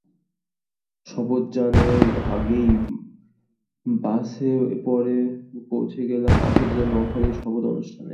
শপথযানের আগেই বাসে করে পৌঁছে গেলাম পাশের জেলা নোয়াখালীর শপথ অনুষ্ঠানে।